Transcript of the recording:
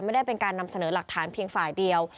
ไม่ได้เป็นการนำเสนอหลักฐานเพียงฝ่ายเดียว